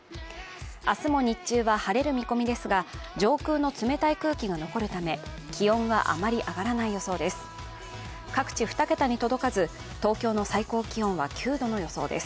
明日も日中晴れる見込みですが上空の冷たい空気が残るため気温はあまり上がらない予想です。